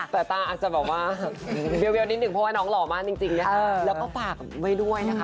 แต่ตาอาจจะบอกว่าเบี้ยวนิดนึง